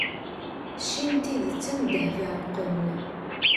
cci n tidet am ddheb iṛeqqen